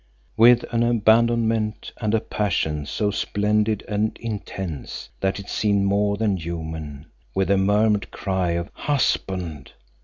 With an abandonment and a passion so splendid and intense that it seemed more than human, with a murmured cry of "Husband!"